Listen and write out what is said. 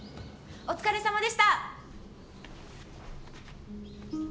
お疲れさまでした！